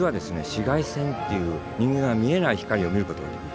紫外線っていう人間が見えない光を見ることができる。